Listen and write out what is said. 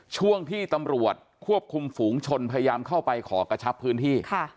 ช่วงที่ตำรวจควบคุมฝูงชนพยายามเข้าไปขอกระชับพื้นที่